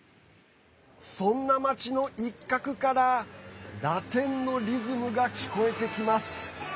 そんな街の一角からラテンのリズムが聞こえてきます。